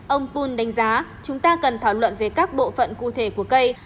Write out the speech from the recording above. ông pul đánh giá chúng ta cần thảo luận về các bộ phận cụ thể của cây